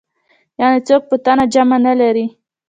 يعنې څوک په تن جامه نه لري.